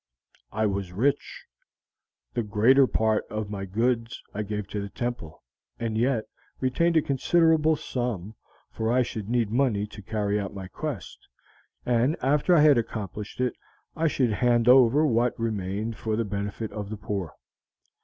"I was rich. The greater part of my goods I gave to the temple, and yet retained a considerable sum, for I should need money to carry out my quest, and after I had accomplished it I should hand over what remained for the benefit of the poor.